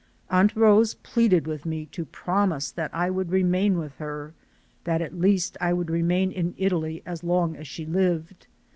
Aunt Rose pleaded with me to promise that I would remain with her, that at least I would remain in Italy as long as she lived.